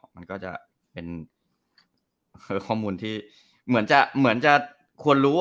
มันก็จะเป็นข้อมูลที่เหมือนจะควรรู้